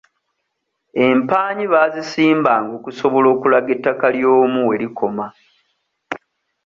Empaanyi baazisimbanga okusobola okulaga ettaka ly'omu we likoma.